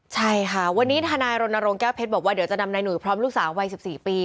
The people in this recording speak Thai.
ใช่ค่ะวันนี้ทนายรณรงค์แก้วเพชรบอกว่าเดี๋ยวจะนำนายหนุ่ยพร้อมลูกสาววัย๑๔ปี